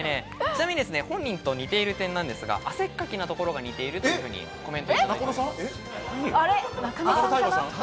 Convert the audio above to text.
ちなみに本人と似ている点なんですが、汗かきのところが似ているというコメントがあります。